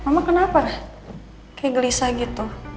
mama kenapa kayak gelisah gitu